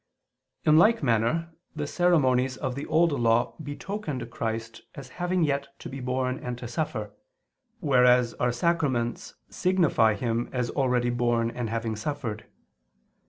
In like manner the ceremonies of the Old Law betokened Christ as having yet to be born and to suffer: whereas our sacraments signify Him as already born and having suffered.